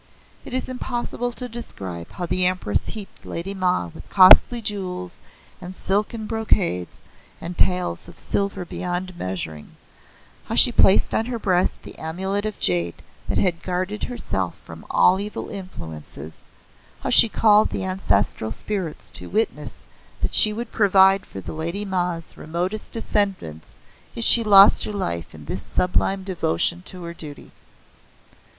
It is impossible to describe how the Empress heaped Lady Ma with costly jewels and silken brocades and taels of silver beyond measuring how she placed on her breast the amulet of jade that had guarded herself from all evil influences, how she called the ancestral spirits to witness that she would provide for the Lady Ma's remotest descendants if she lost her life in this sublime devotion to duty.